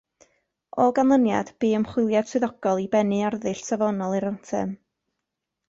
O ganlyniad bu ymchwiliad swyddogol i bennu arddull safonol i'r Anthem.